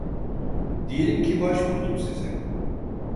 Diyelim ki başvurdum size